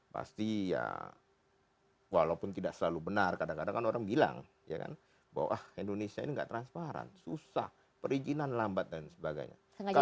pasti ya walaupun tidak selalu benar kadang kadang kan orang bilang bahwa indonesia ini tidak transparan susah perizinan lambat dan sebagainya